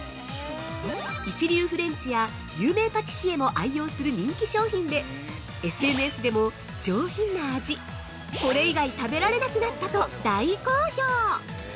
一流フレンチや有名パティシエも愛用する人気商品で、ＳＮＳでも、上品な味、これ以外食べられなくなったと、大好評。